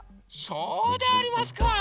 そうでありますか。